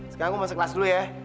sekarang aku masuk kelas dulu ya